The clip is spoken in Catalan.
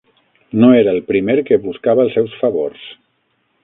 No era el primer que buscava els seus favors.